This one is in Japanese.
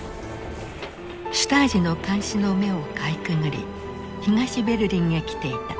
シュタージの監視の目をかいくぐり東ベルリンへ来ていた。